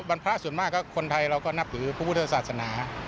วันพระส่วนมากคนไทยเราก็นับถือภูมิพุทธศาสนา